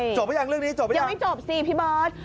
จบหรือยังเรื่องนี้จบหรือยังพี่เบิร์ตยังไม่จบสิ